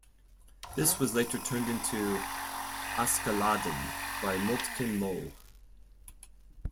This was later turned into "Askeladden" by Moltke Moe.